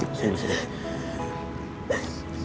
tidak tidak tidak